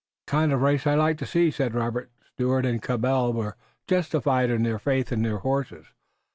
"The kind of race I like to see," said Robert. "Stuart and Cabell were justified in their faith in their horses.